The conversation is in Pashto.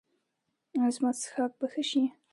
ایا زما څښاک به ښه شي؟